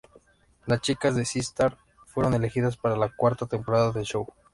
Las chicas de Sistar fueron elegidas para la cuarta temporada del show.